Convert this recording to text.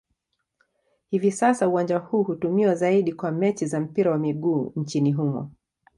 Hivi sasa uwanja huu hutumiwa zaidi kwa mechi za mpira wa miguu nchini humo.